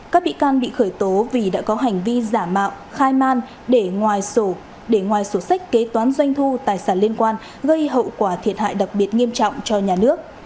các bị can bị khởi tố vì đã có hành vi giả mạo khai man để ngoài sổ sách kế toán doanh thu tài sản liên quan gây hậu quả thiệt hại đặc biệt nghiêm trọng cho nhà nước